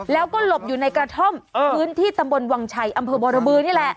แล้วก็หลบอยู่ในกระท่อมพื้นที่ตำบลวังชัยอำเภอบรบือนี่แหละ